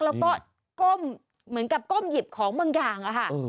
แล้วก็ก้มเหมือนกับก้มหยิบของบางอย่างอะค่ะ